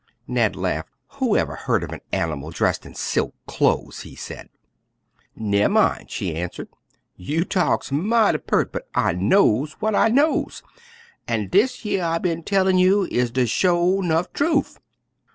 Ned laughed. "Who ever heard of an animal dressed in silk clothes?" he said. "Nemmine," she answered, "you talks mighty peart, but I knows w'at I knows, an' dish yer I bin tellin' you is de sho' 'nuff trufe."